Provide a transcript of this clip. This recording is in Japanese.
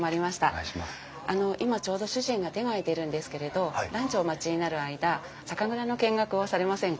あの今ちょうど主人が手が空いているんですけれどランチをお待ちになる間酒蔵の見学をされませんか？